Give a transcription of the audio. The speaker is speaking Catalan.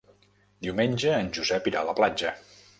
Diumenge en Josep irà a la platja.